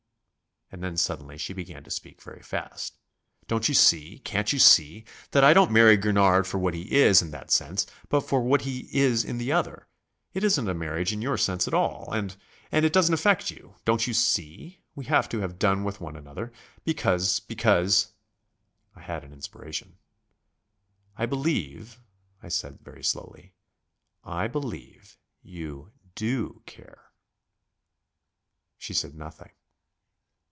and then suddenly she began to speak very fast. "Don't you see? can't you see? that I don't marry Gurnard for what he is in that sense, but for what he is in the other. It isn't a marriage in your sense at all. And ... and it doesn't affect you ... don't you see? We have to have done with one another, because ... because...." I had an inspiration. "I believe," I said, very slowly, "I believe ... you do care...." She said nothing.